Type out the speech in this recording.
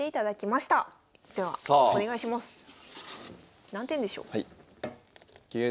ではお願いします。